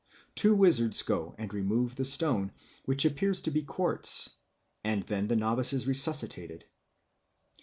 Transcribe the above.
Two wizards go and remove the stone, which appears to be quartz, and then the novice is resuscitated.